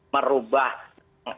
merubah kamar perawatan non hubungan